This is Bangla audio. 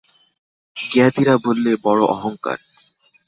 জ্ঞাতিরা বললে, বড়ো অহংকার।